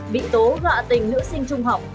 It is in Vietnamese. bị tố gạ tình nữ sinh trung học